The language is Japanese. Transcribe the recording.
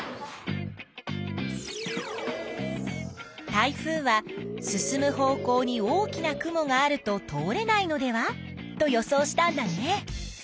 台風は進む方向に大きな雲があると通れないのではと予想したんだね。